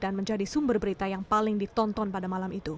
dan menjadi sumber berita yang paling ditonton pada malam itu